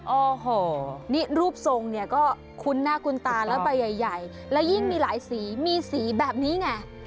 โอ้โหนี่รูปทรงเนี่ยก็คุ้นหน้าคุ้นตาแล้วใบใหญ่และยิ่งมีหลายสีมีสีแบบนี้ไง